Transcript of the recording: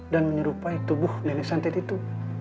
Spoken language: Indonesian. dan menyerupai tubuh nenek santet itu